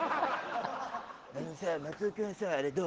あのさ松尾君はさあれどう？